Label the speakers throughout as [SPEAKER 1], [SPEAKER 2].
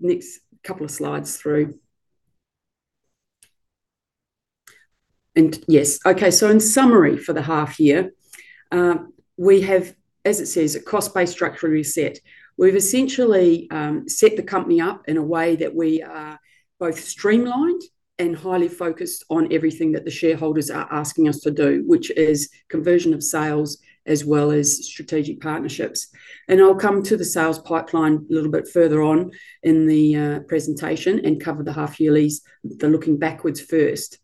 [SPEAKER 1] Next couple of slides through. Yes. Okay. In summary for the half year, we have, as it says, a cost base structure reset. We've essentially set the company up in a way that we are both streamlined and highly focused on everything that the shareholders are asking us to do, which is conversion of sales as well as strategic partnerships. I'll come to the sales pipeline a little bit further on in the presentation and cover the half yearlys. They're looking backwards first.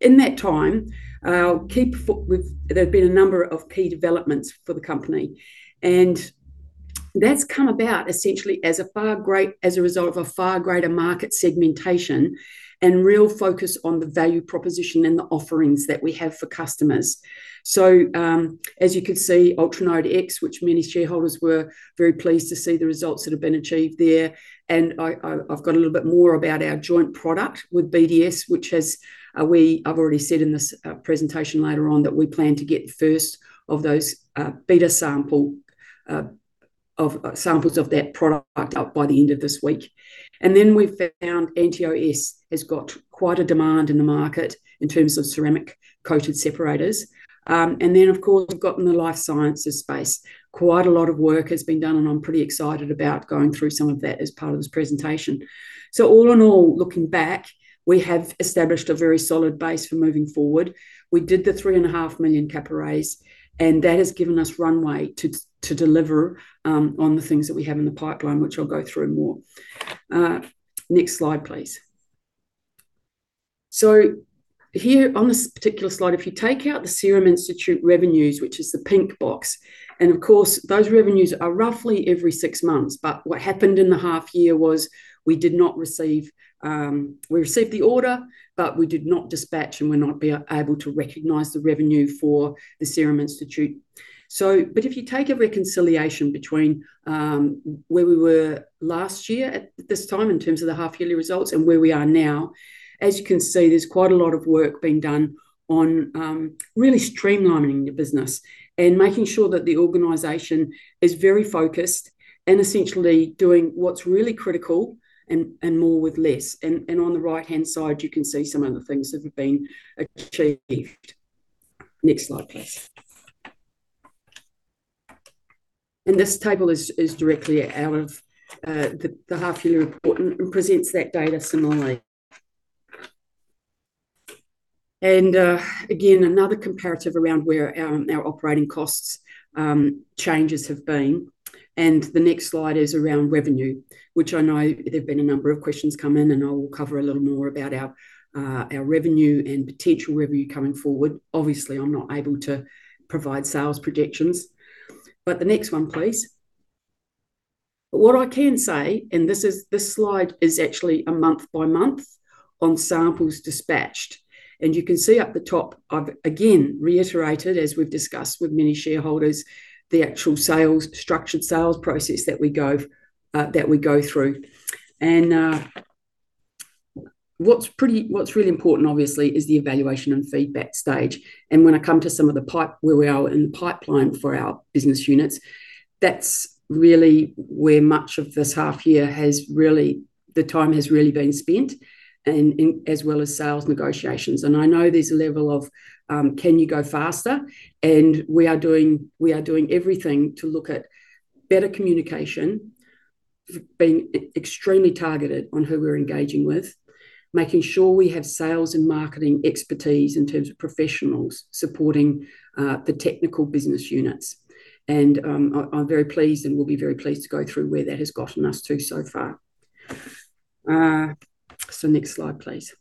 [SPEAKER 1] In that time, I'll keep there have been a number of key developments for the company, and that's come about essentially as a result of a far greater market segmentation and real focus on the value proposition and the offerings that we have for customers. As you can see Ultranode X, which many shareholders were very pleased to see the results that have been achieved there. I've got a little bit more about our joint product with BDS, which has, I've already said in this presentation later on that we plan to get first of those beta sample of samples of that product out by the end of this week. We've Anteo S has got quite a demand in the market in terms of ceramic-coated separators. Of course, we've got in the life sciences space. Quite a lot of work has been done, and I'm pretty excited about going through some of that as part of this presentation. All in all, looking back, we have established a very solid base for moving forward. We did the three and a half million cap raise. That has given us runway to deliver on the things that we have in the pipeline, which I'll go through more. Next slide, please. Here on this particular slide, if you take out the Serum Institute revenues, which is the pink box. Of course, those revenues are roughly every six months. What happened in the half year was we did not receive, we received the order, but we did not dispatch and we're not able to recognize the revenue for the Serum Institute. If you take a reconciliation between where we were last year at this time in terms of the half-yearly results and where we are now, as you can see, there's quite a lot of work being done on really streamlining the business and making sure that the organization is very focused and essentially doing what's really critical and more with less. On the right-hand side, you can see some of the things that have been achieved. Next slide, please. This table is directly out of the half-yearly report and presents that data similarly. Again, another comparative around where our operating costs changes have been. The next slide is around revenue, which I know there have been a number of questions come in, and I will cover a little more about our revenue and potential revenue coming forward. Obviously, I'm not able to provide sales projections. The next one, please. What I can say, this slide is actually a month by month on samples dispatched. You can see up the top, I've again reiterated, as we've discussed with many shareholders, the actual sales, structured sales process that we go through. What's really important obviously is the evaluation and feedback stage. When I come to some of the where we are in the pipeline for our business units, that's really where much of this half year has really been spent in, as well as sales negotiations. I know there's a level of, can you go faster? We are doing everything to look at better communication, being extremely targeted on who we're engaging with, making sure we have sales and marketing expertise in terms of professionals supporting the technical business units. I'm very pleased and will be very pleased to go through where that has gotten us to so far. Next slide, please.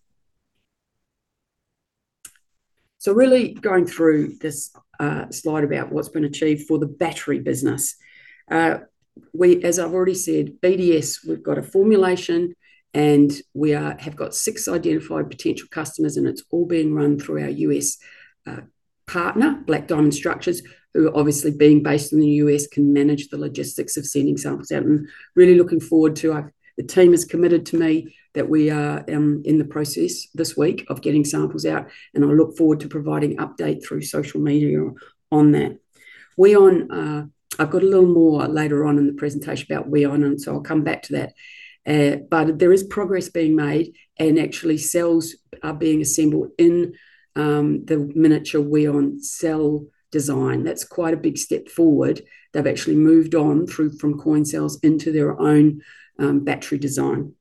[SPEAKER 1] Really going through this slide about what's been achieved for the battery business. We, as I've already said, BDS, we have got six identified potential customers, and it's all being run through our U.S. partner, Black Diamond Structures, who obviously being based in the U.S., can manage the logistics of sending samples out. Really looking forward to. The team has committed to me that we are in the process this week of getting samples out. I look forward to providing update through social media on that. Wyon, I've got a little more later on in the presentation about Wyon. I'll come back to that. There is progress being made and actually cells are being assembled in the miniature Wyon cell design. That's quite a big step forward. They've actually moved on through from coin cells into their own battery design.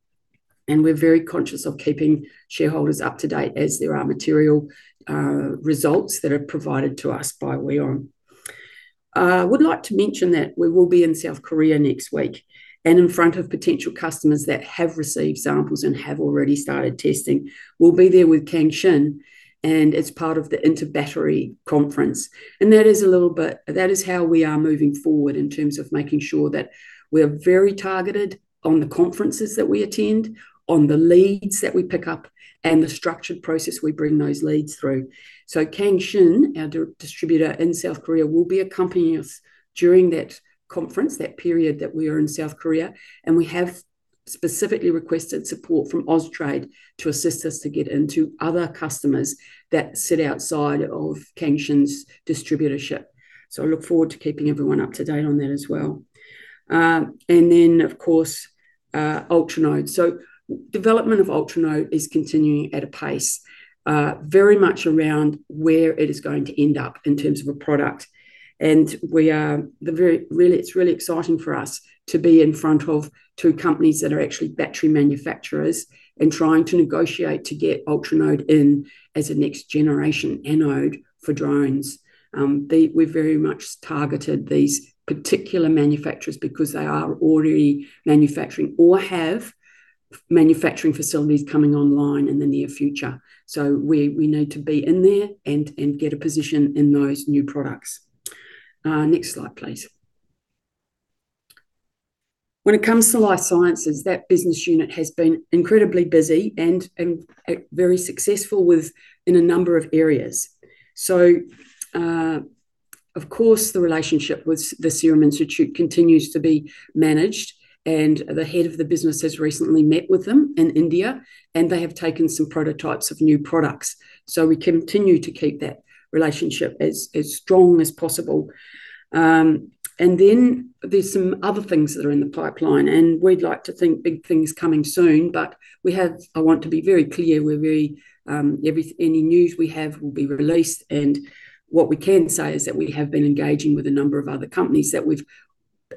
[SPEAKER 1] We're very conscious of keeping shareholders up to date as there are material results that are provided to us by Wyon. Would like to mention that we will be in South Korea next week and in front of potential customers that have received samples and have already started testing. We'll be there with Kangshin, as part of the InterBattery conference. That is a little bit, that is how we are moving forward in terms of making sure that we are very targeted on the conferences that we attend, on the leads that we pick up, and the structured process we bring those leads through. Kangshin, our distributor in South Korea, will be accompanying us during that conference, that period that we are in South Korea. We have specifically requested support from Austrade to assist us to get into other customers that sit outside of Kangshin's distributorship. I look forward to keeping everyone up to date on that as well. Of course, Ultranode. Development of Ultranode is continuing at a pace very much around where it is going to end up in terms of a product. We are really, it's really exciting for us to be in front of two companies that are actually battery manufacturers and trying to negotiate to get Ultranode in as a next generation anode for drones. We very much targeted these particular manufacturers because they are already manufacturing or have manufacturing facilities coming online in the near future. We need to be in there and get a position in those new products. Next slide, please. When it comes to life sciences, that business unit has been incredibly busy and very successful in a number of areas. Of course, the relationship with the Serum Institute continues to be managed, and the head of the business has recently met with them in India, and they have taken some prototypes of new products. We continue to keep that relationship as strong as possible. Then there's some other things that are in the pipeline, and we'd like to think big things coming soon. I want to be very clear, we're very, any news we have will be released. What we can say is that we have been engaging with a number of other companies that we've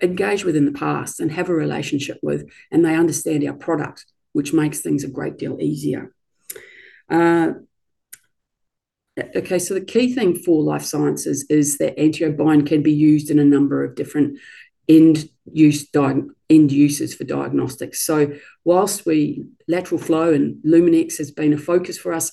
[SPEAKER 1] engaged with in the past and have a relationship with, and they understand our product, which makes things a great deal easier. Okay, the key thing for life sciences is that AnteoBind can be used in a number of different end uses for diagnostics. Whilst lateral flow and Luminex has been a focus for us,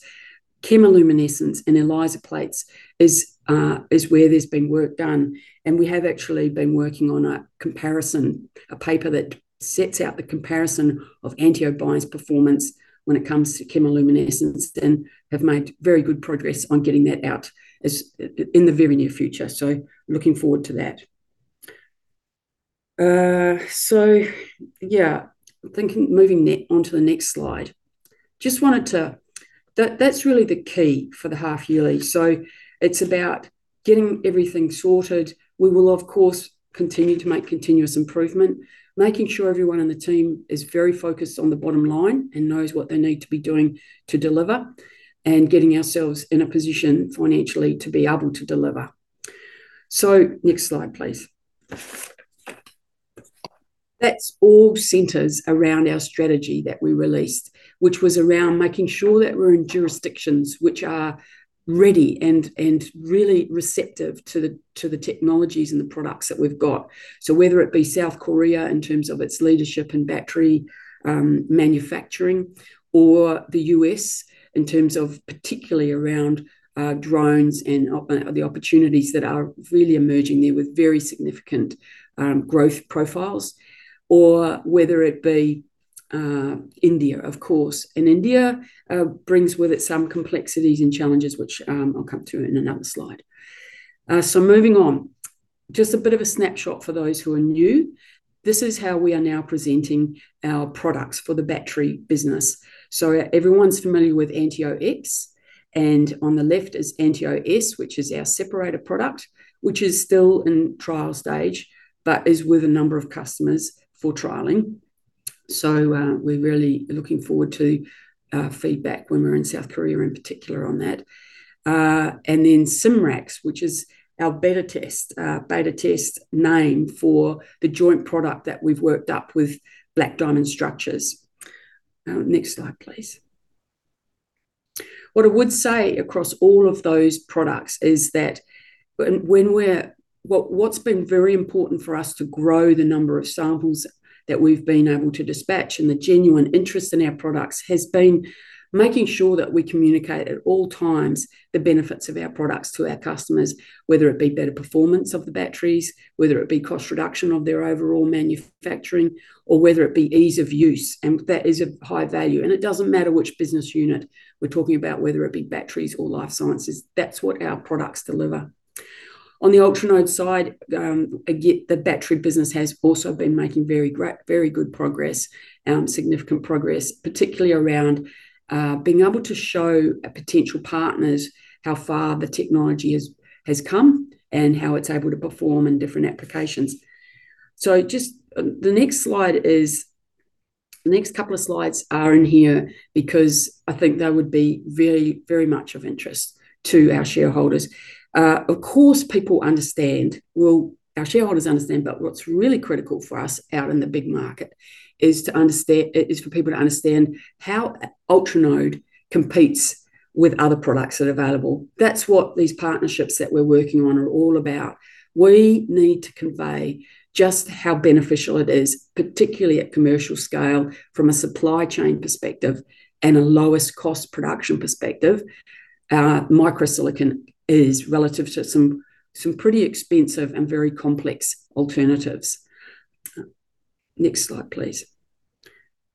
[SPEAKER 1] chemiluminescence and ELISA plates is where there's been work done. We have actually been working on a comparison, a paper that sets out the comparison of AnteoBind's performance when it comes to chemiluminescence, and have made very good progress on getting that out in the very near future. Looking forward to that. Moving onto the next slide. That's really the key for the half yearly. It's about getting everything sorted. We will of course, continue to make continuous improvement, making sure everyone on the team is very focused on the bottom line and knows what they need to be doing to deliver, and getting ourselves in a position financially to be able to deliver. Next slide, please. That all centers around our strategy that we released, which was around making sure that we're in jurisdictions which are ready and really receptive to the technologies and the products that we've got. Whether it be South Korea in terms of its leadership in battery manufacturing, or the U.S. in terms of particularly around drones and the opportunities that are really emerging there with very significant growth profiles, or whether it be India, of course. India brings with it some complexities and challenges which I'll come to in another slide. Moving on. Just a bit of a snapshot for those who are new. This is how we are now presenting our products for the battery business. Everyone's familiar with Anteo X, and on the left is Anteo S, which is our separator product, which is still in trial stage, but is with a number of customers for trialing. We're really looking forward to feedback when we're in South Korea in particular on that. Symrax, which is our beta test name for the joint product that we've worked up with Black Diamond Structures. Next slide, please. What I would say across all of those products is that when what's been very important for us to grow the number of samples that we've been able to dispatch and the genuine interest in our products, has been making sure that we communicate at all times the benefits of our products to our customers, whether it be better performance of the batteries, whether it be cost reduction of their overall manufacturing, or whether it be ease of use. That is of high value. It doesn't matter which business unit we're talking about, whether it be batteries or life sciences. That's what our products deliver. On the Ultranode side, the battery business has also been making very great, very good progress, significant progress, particularly around being able to show potential partners how far the technology has come and how it's able to perform in different applications. The next couple of slides are in here because I think they would be very, very much of interest to our shareholders. Of course, people understand well, our shareholders understand, but what's really critical for us out in the big market is for people to understand how Ultranode competes with other products that are available. That's what these partnerships that we're working on are all about. We need to convey just how beneficial it is, particularly at commercial scale from a supply chain perspective and a lowest cost production perspective. micro-silicon is relative to some pretty expensive and very complex alternatives. Next slide, please.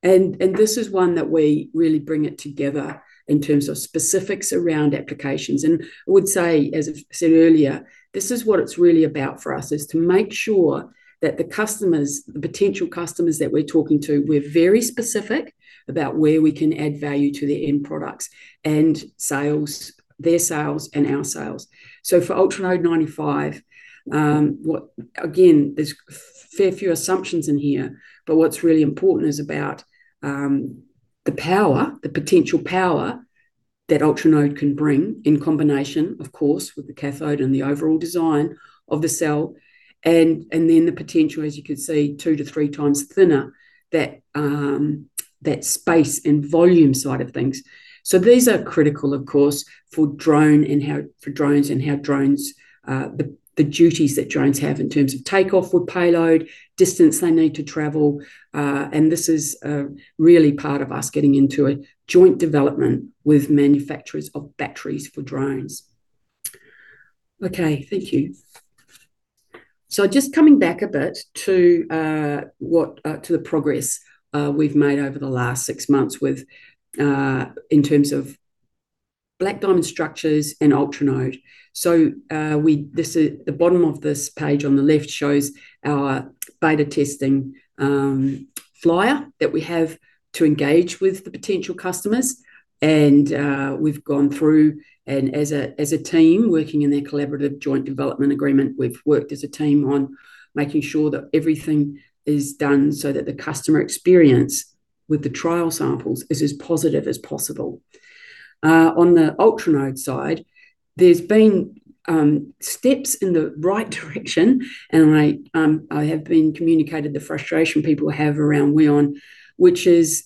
[SPEAKER 1] This is one that we really bring it together in terms of specifics around applications. I would say, as I've said earlier, this is what it's really about for us, is to make sure that the customers, the potential customers that we're talking to, we're very specific about where we can add value to their end products and sales, their sales and our sales. For Ultranode 95, Again, there's fair few assumptions in here, but what's really important is about the power, the potential power that Ultranode can bring in combination, of course, with the cathode and the overall design of the cell and then the potential, as you can see, 2 to 3x thinner that space and volume side of things. These are critical, of course, for drones and how drones, the duties that drones have in terms of take-off with payload, distance they need to travel. This is really part of us getting into a joint development with manufacturers of batteries for drones. Okay. Thank you. Just coming back a bit to, what, to the progress, we've made over the last six months with in terms of Black Diamond Structures and Ultranode. This, the bottom of this page on the left shows our beta testing flyer that we have to engage with the potential customers and we've gone through and as a, as a team working in their collaborative joint development agreement, we've worked as a team on making sure that everything is done so that the customer experience with the trial samples is as positive as possible. On the Ultranode side, there's been steps in the right direction, and I have been communicated the frustration people have around Wyon, which is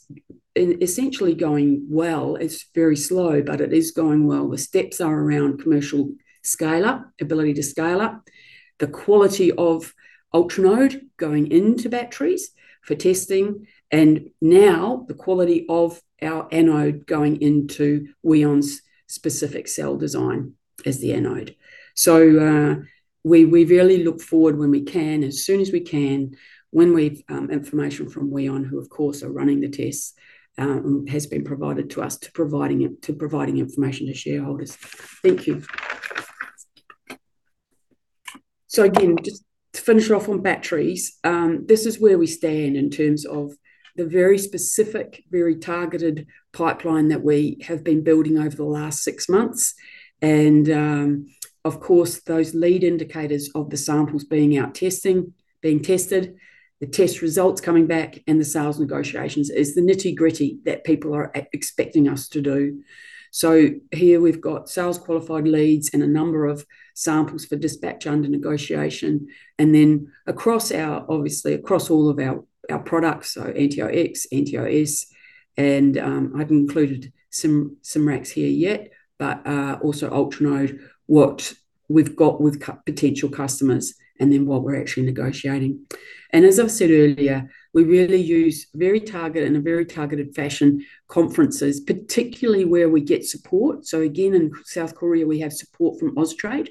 [SPEAKER 1] essentially going well. It's very slow, but it is going well. The steps are around commercial scale-up, ability to scale up. The quality of Ultranode going into batteries for testing, and now the quality of our anode going into Wyon's specific cell design as the anode. We really look forward when we can, as soon as we can, when we've information from Wyon, who of course are running the tests, has been provided to us to providing information to shareholders. Thank you. Again, just to finish off on batteries, this is where we stand in terms of the very specific, very targeted pipeline that we have been building over the last six months. Of course, those lead indicators of the samples being out testing, being tested, the test results coming back and the sales negotiations is the nitty-gritty that people are expecting us to do. Here we've got sales qualified leads and a number of samples for dispatch under negotiation. Across our, obviously, across all of our products, so Anteo X, Anteo S, and I've included some Symrax here yet, but also Ultranode, what we've got with potential customers, and then what we're actually negotiating. As I've said earlier, we really use very targeted and a very targeted fashion conferences, particularly where we get support. Again, in South Korea, we have support from Austrade.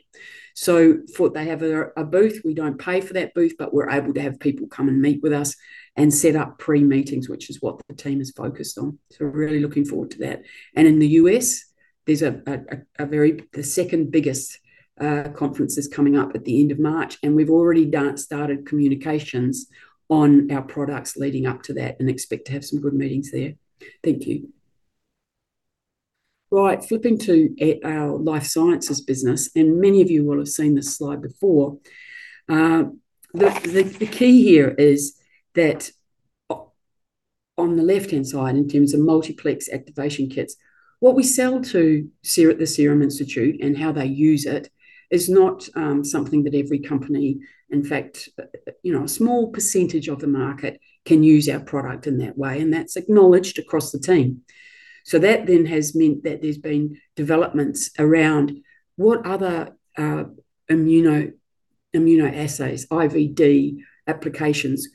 [SPEAKER 1] They have a booth. We don't pay for that booth, but we're able to have people come and meet with us and set up pre-meetings, which is what the team is focused on. We're really looking forward to that. In the U.S., there's a very, the second biggest conference is coming up at the end of March. We've already started communications on our products leading up to that and expect to have some good meetings there. Thank you. Right. Flipping to our life sciences business. Many of you will have seen this slide before. The key here is that on the left-hand side, in terms of multiplex activation kits, what we sell to the Serum Institute and how they use it is not, you know, something that every company, in fact, a small percentage of the market can use our product in that way, and that's acknowledged across the team. That has meant that there's been developments around what other immunoassays, IVD applications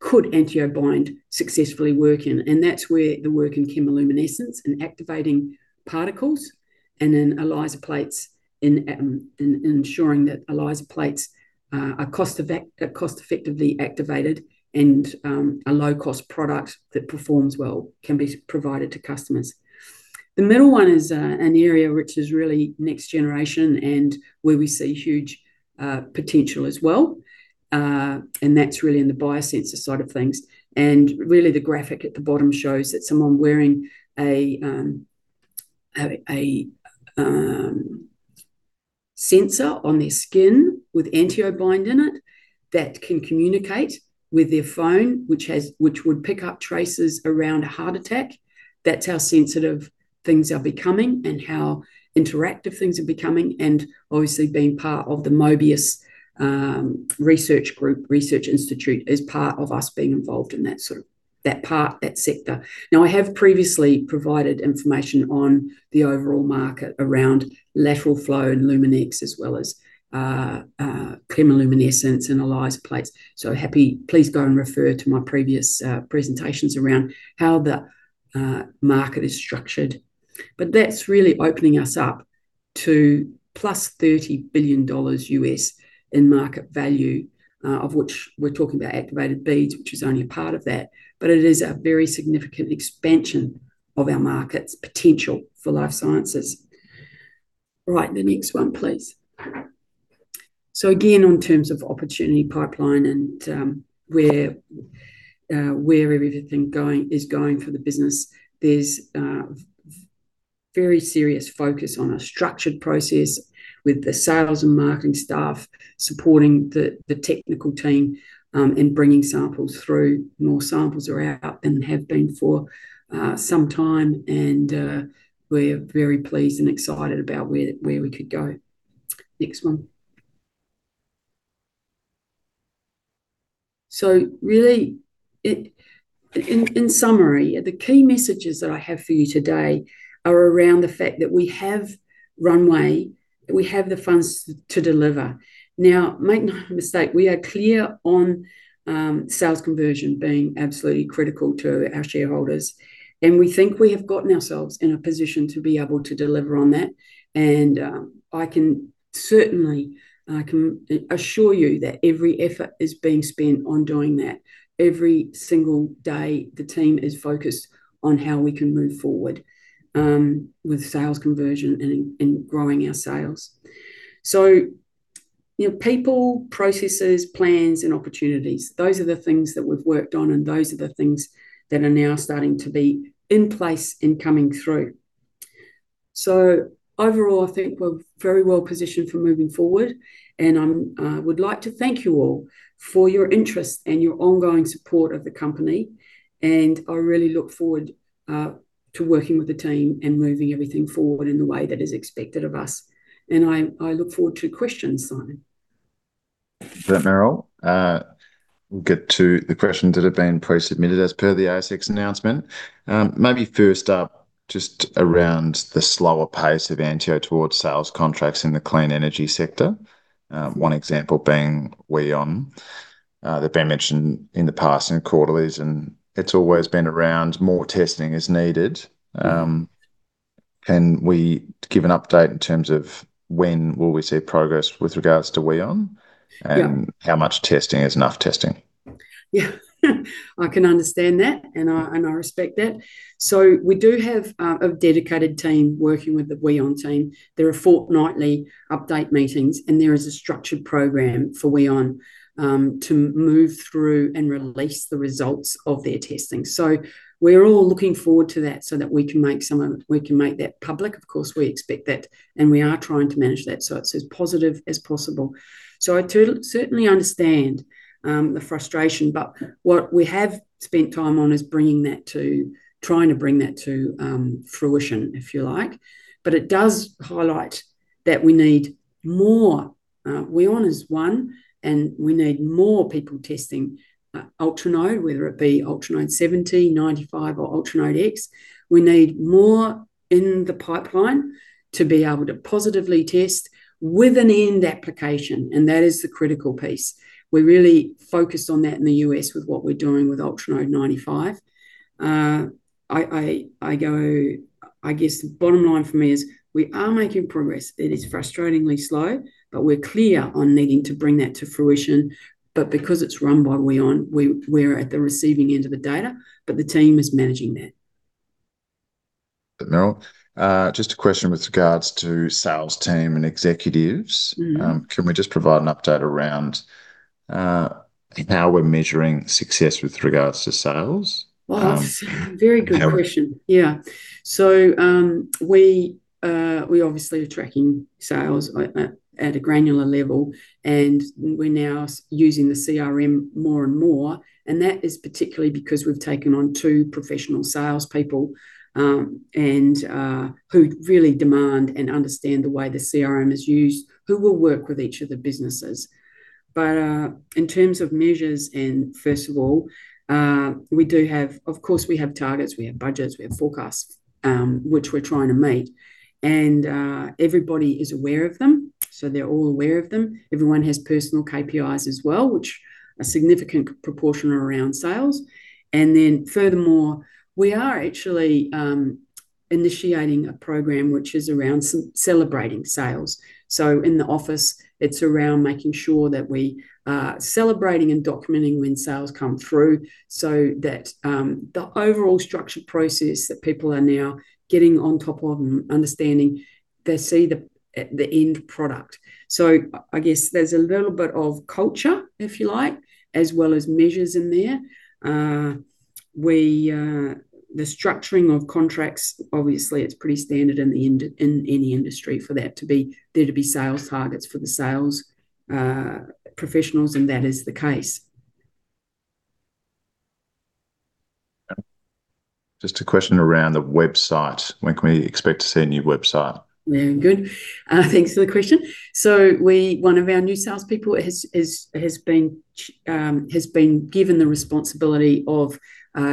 [SPEAKER 1] could AnteoBind successfully work in. That's where the work in chemiluminescence and activating particles and in ELISA plates in ensuring that ELISA plates are cost-effectively activated and a low-cost product that performs well can be provided to customers. The middle one is an area which is really next generation and where we see huge potential as well. That's really in the biosensor side of things. Really the graphic at the bottom shows that someone wearing a sensor on their skin with AnteoBind in it that can communicate with their phone, which has, which would pick up traces around a heart attack. That's how sensitive things are becoming and how interactive things are becoming. Obviously being part of the MOBIUS research group, research institute is part of us being involved in that sort of, that part, that sector. I have previously provided information on the overall market around lateral flow and Luminex as well as chemiluminescence and ELISA plates. Please go and refer to my previous presentations around how the market is structured. That's really opening us up to plus $30 billion in market value, of which we're talking about activated beads, which is only a part of that. It is a very significant expansion of our market's potential for life sciences. Right, the next one please. Again, on terms of opportunity pipeline and where everything is going for the business, there's very serious focus on a structured process with the sales and marketing staff supporting the technical team in bringing samples through. More samples are out than have been for some time and we're very pleased and excited about where we could go. Next one. Really, in summary, the key messages that I have for you today are around the fact that we have runway, we have the funds to deliver. Now, make no mistake, we are clear on sales conversion being absolutely critical to our shareholders, and we think we have gotten ourselves in a position to be able to deliver on that. I can certainly assure you that every effort is being spent on doing that. Every single day the team is focused on how we can move forward with sales conversion and growing our sales. You know, people, processes, plans and opportunities. Those are the things that we've worked on, and those are the things that are now starting to be in place and coming through. Overall, I think we're very well positioned for moving forward and I would like to thank you all for your interest and your ongoing support of the company, and I really look forward to working with the team and moving everything forward in the way that is expected of us. I look forward to questions, Simon.
[SPEAKER 2] Thanks, Merrill. We'll get to the questions that have been pre-submitted as per the ASX announcement. Maybe first up, just around the slower pace of Anteo towards sales contracts in the clean energy sector. One example being Wyon, that been mentioned in the past in quarterlies, and it's always been around more testing is needed. Can we give an update in terms of when will we see progress with regards to Wyon?
[SPEAKER 1] Yeah.
[SPEAKER 2] How much testing is enough testing?
[SPEAKER 1] I can understand that, and I respect that. We do have a dedicated team working with the Wyon team. There are fortnightly update meetings, and there is a structured program for Wyon to move through and release the results of their testing. We're all looking forward to that so that we can make that public. Of course, we expect that, and we are trying to manage that, so it's as positive as possible. I certainly understand the frustration, but what we have spent time on is trying to bring that to fruition, if you like. It does highlight that we need more. Wyon is one, and we need more people testing Ultranode, whether it be Ultranode 70, 95 or Ultranode X. We need more in the pipeline to be able to positively test with an end application. That is the critical piece. We're really focused on that in the US with what we're doing with Ultranode 95. I guess the bottom line for me is we are making progress. It is frustratingly slow, but we're clear on needing to bring that to fruition. Because it's run by Wyon, we're at the receiving end of the data. The team is managing that.
[SPEAKER 2] Merrill, just a question with regards to sales team and executives.
[SPEAKER 1] Mm-hmm.
[SPEAKER 2] Can we just provide an update around how we're measuring success with regards to sales?
[SPEAKER 1] That's a very good question. Yeah. We obviously are tracking sales at a granular level, and we're now using the CRM more and more, and that is particularly because we've taken on two professional salespeople, and who really demand and understand the way the CRM is used, who will work with each of the businesses. In terms of measures and first of all, we do have, of course, we have targets, we have budgets, we have forecasts, which we're trying to meet and everybody is aware of them, so they're all aware of them. Everyone has personal KPIs as well, which a significant proportion are around sales. Furthermore, we are actually initiating a program which is around celebrating sales. In the office it's around making sure that we are celebrating and documenting when sales come through so that the overall structured process that people are now getting on top of and understanding, they see the end product. I guess there's a little bit of culture, if you like, as well as measures in there. We the structuring of contracts, obviously it's pretty standard in any industry for that to be, there to be sales targets for the sales professionals, and that is the case.
[SPEAKER 2] Just a question around the website. When can we expect to see a new website?
[SPEAKER 1] Very good. Thanks for the question. We, one of our new salespeople has been given the responsibility of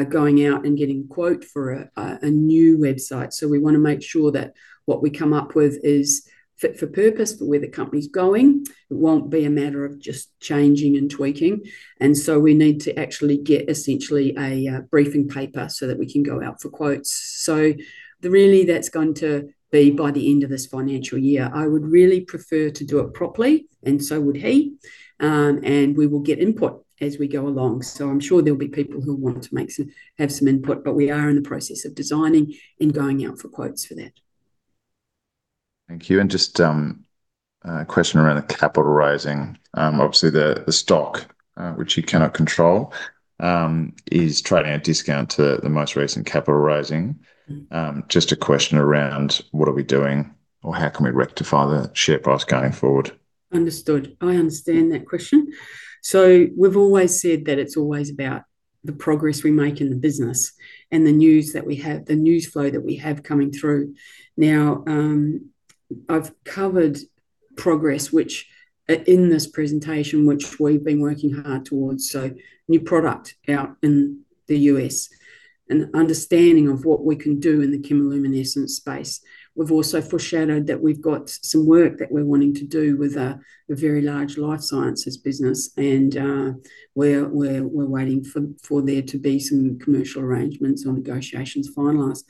[SPEAKER 1] going out and getting quote for a new website. We wanna make sure that what we come up with is fit for purpose for where the company's going. It won't be a matter of just changing and tweaking, and so we need to actually get essentially a briefing paper so that we can go out for quotes. Really that's going to be by the end of this financial year. I would really prefer to do it properly and so would he, and we will get input as we go along. I'm sure there'll be people who will want to make some, have some input, but we are in the process of designing and going out for quotes for that.
[SPEAKER 2] Thank you. Just a question around the capital raising. Obviously the stock, which you cannot control, is trading at a discount to the most recent capital raising. Just a question around what are we doing or how can we rectify the share price going forward?
[SPEAKER 1] Understood. I understand that question. We've always said that it's always about the progress we make in the business and the news that we have, the news flow that we have coming through. I've covered progress which in this presentation, which we've been working hard towards. New product out in the US and understanding of what we can do in the chemiluminescence space. We've also foreshadowed that we've got some work that we're wanting to do with a very large life sciences business and we're waiting for there to be some commercial arrangements or negotiations finalized.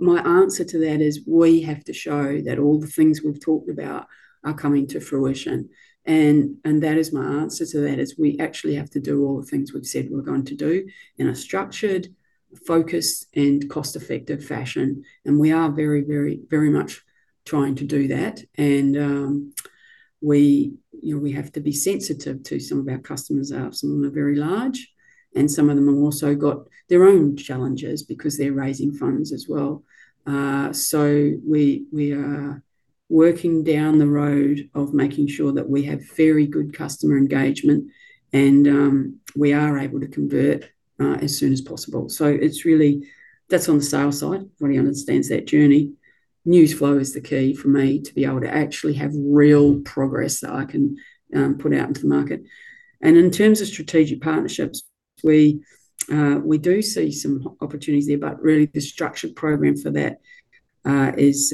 [SPEAKER 1] My answer to that is we have to show that all the things we've talked about are coming to fruition. That is my answer to that, is we actually have to do all the things we've said we're going to do in a structured, focused and cost-effective fashion. We are very, very, very much trying to do that. We, you know, we have to be sensitive to some of our customers. Some of them are very large, and some of them have also got their own challenges because they're raising funds as well. So we are working down the road of making sure that we have very good customer engagement and we are able to convert as soon as possible. It's really, that's on the sales side. Ronnie understands that journey. News flow is the key for me to be able to actually have real progress that I can put out into the market. In terms of strategic partnerships, we do see some opportunities there. Really the structured program for that is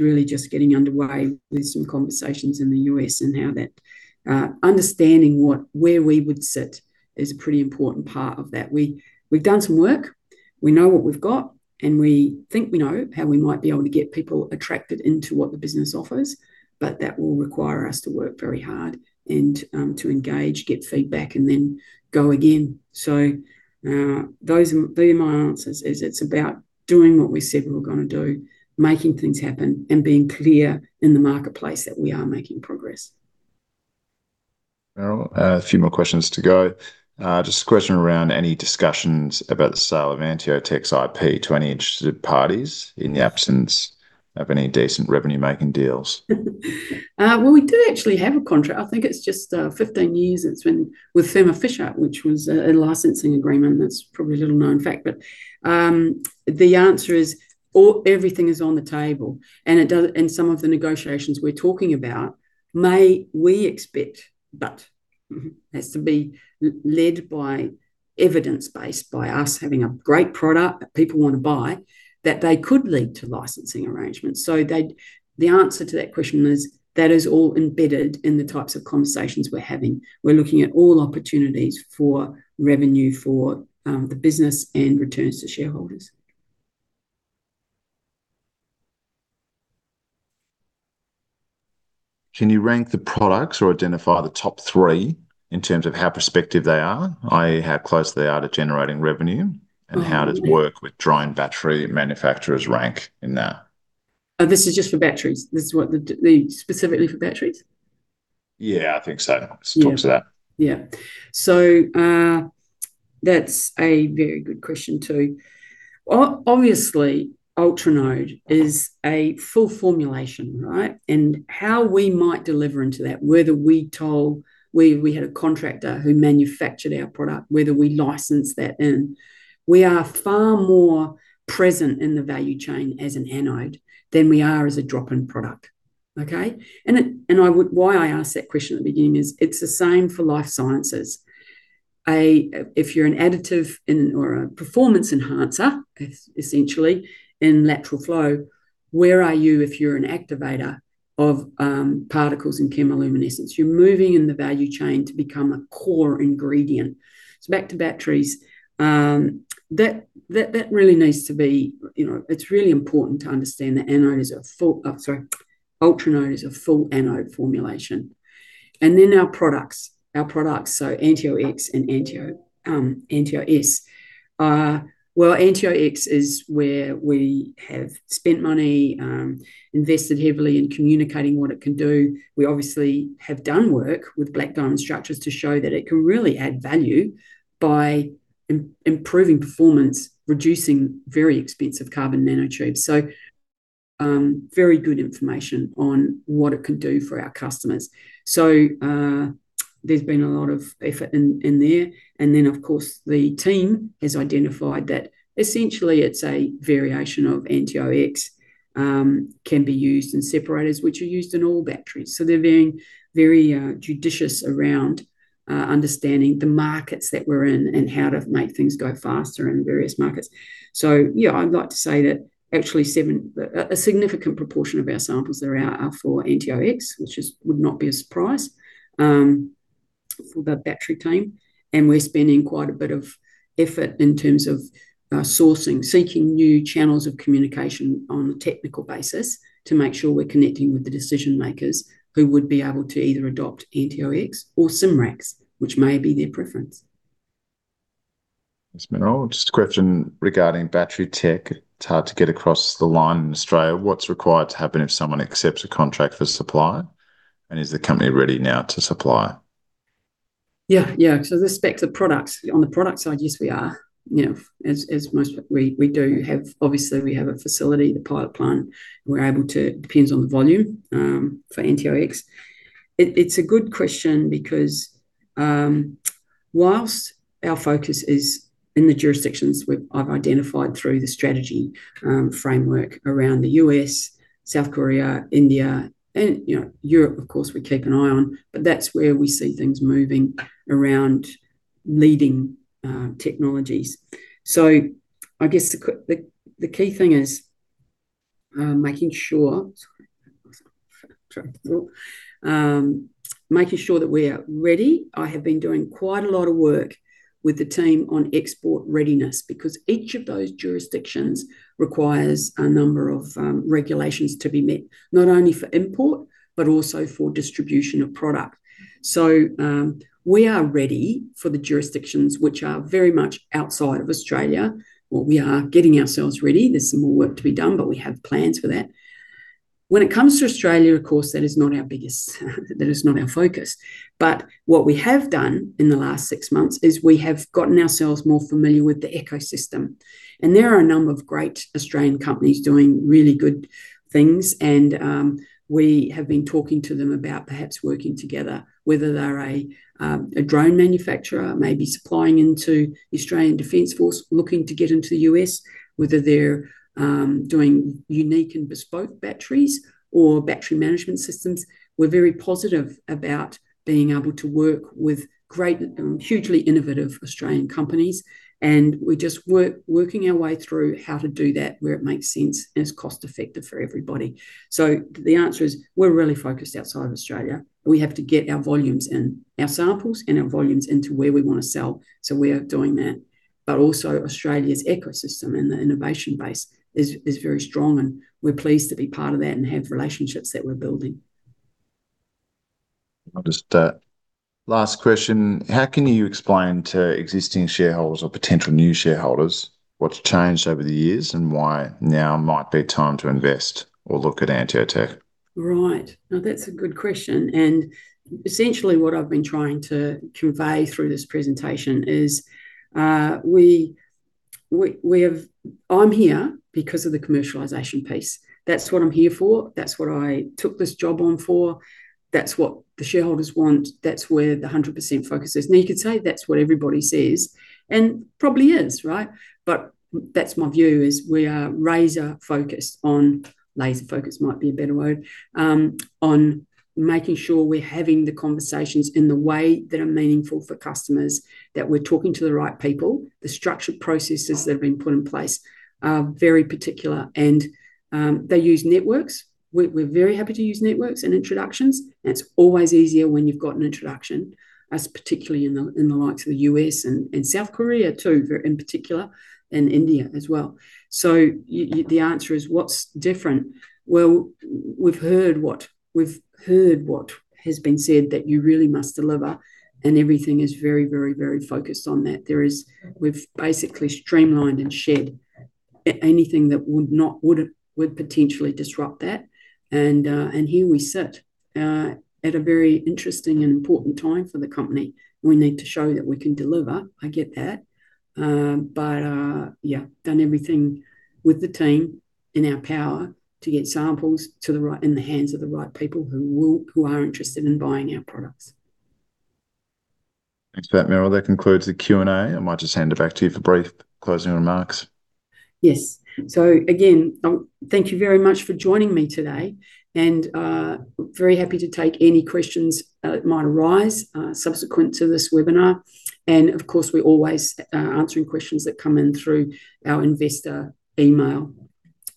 [SPEAKER 1] really just getting underway with some conversations in the US and how that understanding what, where we would sit is a pretty important part of that. We've done some work. We know what we've got, and we think we know how we might be able to get people attracted into what the business offers. That will require us to work very hard and to engage, get feedback and then go again. Those are my answers, is it's about doing what we said we were gonna do, making things happen and being clear in the marketplace that we are making progress.
[SPEAKER 2] Merrill, a few more questions to go. Just a question around any discussions about the sale of AnteoTech's IP to any interested parties in the absence of any decent revenue-making deals?
[SPEAKER 1] Well, we do actually have a contract. I think it's just 15 years it's been with Thermo Fisher, which was a licensing agreement. That's probably a little-known fact. The answer is all, everything is on the table. Some of the negotiations we're talking about may we expect, but has to be led by evidence-based, by us having a great product that people want to buy, that they could lead to licensing arrangements. The answer to that question is, that is all embedded in the types of conversations we're having. We're looking at all opportunities for revenue for the business and returns to shareholders.
[SPEAKER 2] Can you rank the products or identify the top three in terms of how prospective they are, i.e., how close they are to generating revenue?
[SPEAKER 1] Oh.
[SPEAKER 2] How does work with drone battery manufacturers rank in that?
[SPEAKER 1] This is just for batteries. This is what the specifically for batteries?
[SPEAKER 2] Yeah, I think so.
[SPEAKER 1] Yeah.
[SPEAKER 2] Let's talk to that.
[SPEAKER 1] Yeah. That's a very good question, too. Obviously, Ultranode is a full formulation, right? How we might deliver into that, whether we toll, we had a contractor who manufactured our product, whether we license that in. We are far more present in the value chain as an anode than we are as a drop-in product. Okay? Why I asked that question at the beginning is it's the same for life sciences. A, if you're an additive in or a performance enhancer, essentially, in lateral flow, where are you if you're an activator of particles in chemiluminescence? You're moving in the value chain to become a core ingredient. Back to batteries, that really needs to be, you know, it's really important to understand Ultranode is a full anode formulation. Our products, so Anteo X and Anteo S. Well, Anteo X is where we have spent money, invested heavily in communicating what it can do. We obviously have done work with Black Diamond Structures to show that it can really add value by improving performance, reducing very expensive carbon nanotubes. Very good information on what it can do for our customers. There's been a lot of effort in there. Of course the team has identified that essentially it's a variation of Anteo X, can be used in separators, which are used in all batteries. They're being very judicious around understanding the markets that we're in and how to make things go faster in various markets. Yeah, I'd like to say that actually a significant proportion of our samples that are out are for AnteoX, which would not be a surprise for the battery team. We're spending quite a bit of effort in terms of sourcing, seeking new channels of communication on a technical basis to make sure we're connecting with the decision makers who would be able to either adopt AnteoX or Symrax, which may be their preference.
[SPEAKER 2] Thanks, Merrill. Just a question regarding battery tech. It's hard to get across the line in Australia. What's required to happen if someone accepts a contract for supply, and is the company ready now to supply?
[SPEAKER 1] Yeah, the specs of products. On the product side, yes, we are. You know, we do have. Obviously we have a facility, the pilot plant, and we're able to, depends on the volume, for Anteo X. It's a good question because, whilst our focus is in the jurisdictions I've identified through the strategy framework around the U.S., South Korea, India and, you know, Europe of course we keep an eye on. That's where we see things moving around leading technologies. I guess the key thing is making sure. Sorry. Making sure that we are ready. I have been doing quite a lot of work with the team on export readiness, because each of those jurisdictions requires a number of regulations to be met, not only for import, but also for distribution of product. We are ready for the jurisdictions which are very much outside of Australia, or we are getting ourselves ready. There's some more work to be done, but we have plans for that. When it comes to Australia, of course that is not our focus. What we have done in the last six months is we have gotten ourselves more familiar with the ecosystem, and there are a number of great Australian companies doing really good things and we have been talking to them about perhaps working together. Whether they're a drone manufacturer maybe supplying into the Australian Defence Force, looking to get into the US. Whether they're doing unique and bespoke batteries or battery management systems, we're very positive about being able to work with great, hugely innovative Australian companies and we're just working our way through how to do that, where it makes sense and is cost effective for everybody. The answer is we're really focused outside of Australia. We have to get our volumes in, our samples and our volumes into where we wanna sell, so we are doing that. Also Australia's ecosystem and the innovation base is very strong and we're pleased to be part of that and have relationships that we're building.
[SPEAKER 2] I'll just. Last question. How can you explain to existing shareholders or potential new shareholders what's changed over the years and why now might be time to invest or look at AnteoTech?
[SPEAKER 1] Right. No, that's a good question. Essentially what I've been trying to convey through this presentation is, I'm here because of the commercialization piece. That's what I'm here for. That's what I took this job on for. That's what the shareholders want. That's where the 100% focus is. You could say that's what everybody says, and probably is, right? That's my view is we are razor focused on, laser focused might be a better word, on making sure we're having the conversations in the way that are meaningful for customers. That we're talking to the right people. The structured processes that have been put in place are very particular and, they use networks. We're very happy to use networks and introductions. It's always easier when you've got an introduction, as particularly in the likes of the US and South Korea too in particular, and India as well. The answer is what's different. Well, we've heard what has been said that you really must deliver and everything is very focused on that. There is. We've basically streamlined and shed anything that would not, would potentially disrupt that and here we sit at a very interesting and important time for the company. We need to show that we can deliver. I get that. Done everything with the team in our power to get samples in the hands of the right people who are interested in buying our products.
[SPEAKER 2] Thanks for that, Merrill. That concludes the Q&A. I might just hand it back to you for brief closing remarks.
[SPEAKER 1] Yes. Again, thank you very much for joining me today and very happy to take any questions that might arise subsequent to this webinar. Of course we're always answering questions that come in through our investor email.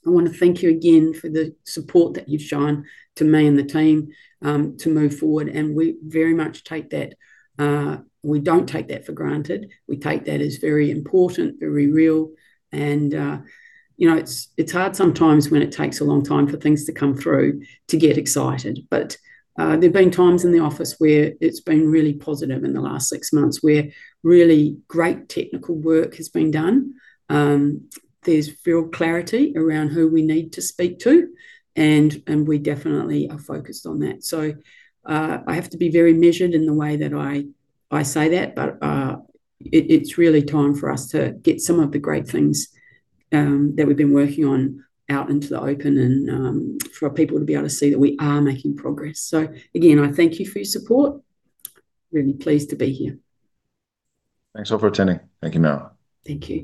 [SPEAKER 1] I wanna thank you again for the support that you've shown to me and the team to move forward and we very much take that, we don't take that for granted. We take that as very important, very real and, you know, it's hard sometimes when it takes a long time for things to come through to get excited. There've been times in the office where it's been really positive in the last six months, where really great technical work has been done. There's real clarity around who we need to speak to and we definitely are focused on that. I have to be very measured in the way that I say that, but it's really time for us to get some of the great things that we've been working on out into the open and for people to be able to see that we are making progress. Again, I thank you for your support. Really pleased to be here.
[SPEAKER 2] Thanks all for attending. Thank you, Merrill.
[SPEAKER 1] Thank you.